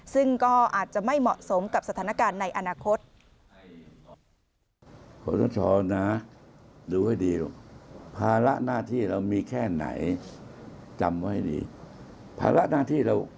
ซึ่งก็อาจจะไม่เหมาะสมกับสถานการณ์ในอนาคต